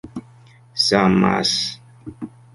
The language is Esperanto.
samas